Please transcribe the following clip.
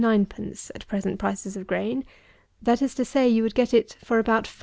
_ at present prices of grain; that is to say, you would get it for about 5_d.